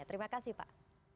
terima kasih pak